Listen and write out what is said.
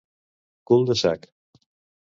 Cul de sac